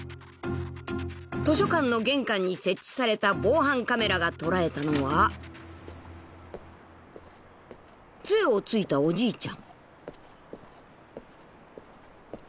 ［図書館の玄関に設置された防犯カメラが捉えたのはつえを突いたおじいちゃん］